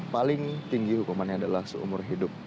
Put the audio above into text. paling tinggi hukumannya adalah seumur hidup